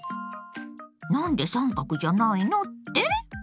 何で三角じゃないの？って？